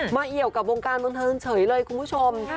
เอี่ยวกับวงการบันเทิงเฉยเลยคุณผู้ชม